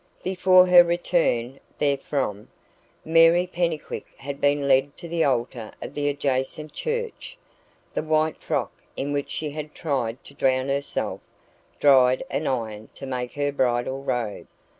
Before her return therefrom, Mary Pennycuick had been led to the altar of the adjacent church, the white frock in which she had tried to drown herself dried and ironed to make her bridal robe.